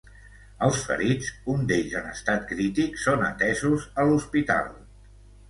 Els ferits, un d’ells en estat crític, són atesos a l’hospital.